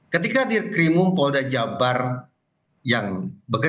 ketika dirkrimumpolda jabar menangkap pembunuhan seksual dia menangkap pembunuhan seksual